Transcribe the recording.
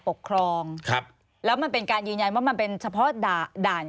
ปกครองครับแล้วมันเป็นการยืนยันว่ามันเป็นเฉพาะด่าด่าน